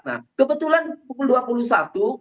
nah kebetulan pukul dua puluh satu